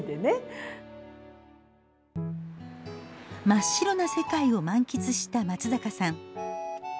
真っ白な世界を満喫した松坂さん。